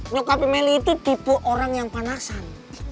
nyokapi meli itu tipe orang yang panasan